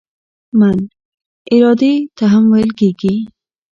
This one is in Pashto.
"من" ارادې ته هم ویل کیږي.